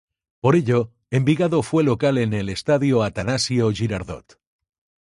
Por ello, Envigado fue local en el Estadio Atanasio Girardot.